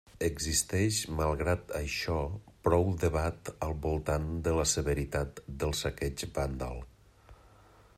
Existeix, malgrat això, prou debat al voltant de la severitat del saqueig vàndal.